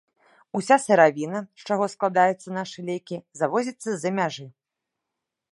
Уся сыравіна, з чаго складаецца нашы лекі, завозіцца з-за мяжы.